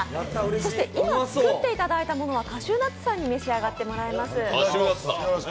そして、今作っていただいたものはカシューナッツさんにいただいてもらいます。